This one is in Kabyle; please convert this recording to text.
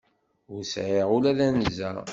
Ur sɛiɣ ula d anza.